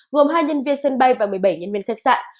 gồm hai nhân viên sân bay và một mươi bảy nhân viên khách sạn